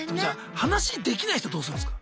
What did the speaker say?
話できない人どうするんすか？